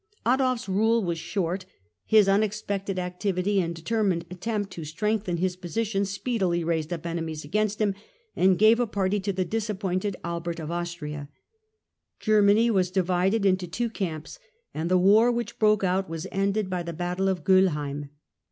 Adolf of Adolf's rule was short. His unexpected activity and 1292 1298 determined attempt to strengthen his position, speedily raised up enemies against him and gave a party to the disappointed Albert of Austria. Germany was divided into two camps, and the war which broke out was ended by the Battle of Goellheim.